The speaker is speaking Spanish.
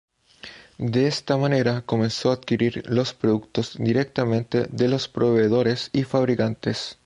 De esta manera comenzó a adquirir los productos directamente a los proveedores y fabricantes.